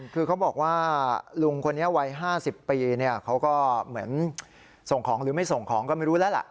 คือเขาบอกว่าลุงคนนี้วัย๕๐ปีเขาก็เหมือนส่งของหรือไม่ส่งของก็ไม่รู้แล้วล่ะ